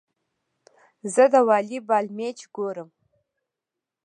زه د والي بال مېچ ګورم.